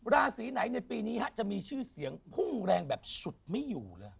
ราศีไหนในปีนี้จะมีชื่อเสียงพุ่งแรงแบบฉุดไม่อยู่เลย